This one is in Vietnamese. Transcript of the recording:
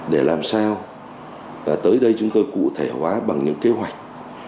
để làm sao tới đây chúng tôi cụ thể hóa bằng những kế hoạch